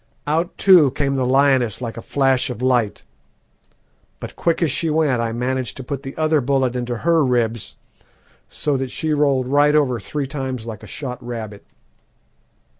Out, too, came the lioness like a flash of light, but quick as she went I managed to put the other bullet into her ribs, so that she rolled right over three times like a shot rabbit.